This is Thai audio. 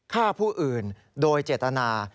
ฆ่าผู้อื่นโดยเจตนา